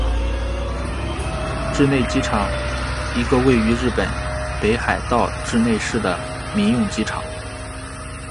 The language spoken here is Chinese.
稚内机场一个位于日本北海道稚内市的民用机场。